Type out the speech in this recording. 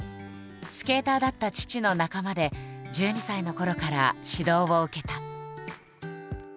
スケーターだった父の仲間で１２歳のころから指導を受けた。